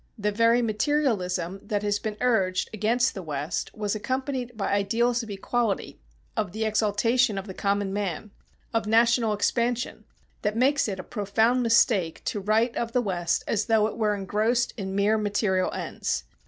The very materialism that has been urged against the West was accompanied by ideals of equality, of the exaltation of the common man, of national expansion, that makes it a profound mistake to write of the West as though it were engrossed in mere material ends.